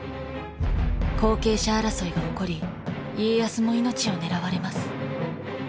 後継者争いが起こり家康も命を狙われます。